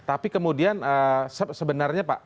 tapi kemudian sebenarnya pak